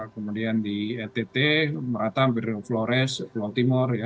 kemudian di ett merata hampir flores pulau timur ya